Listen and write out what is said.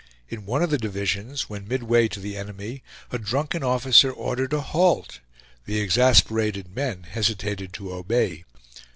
In one of the divisions, when midway to the enemy, a drunken officer ordered a halt; the exasperated men hesitated to obey.